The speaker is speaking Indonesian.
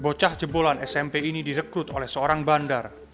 bocah jebolan smp ini direkrut oleh seorang bandar